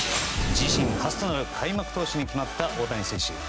自身初となる開幕投手に決まった大谷選手。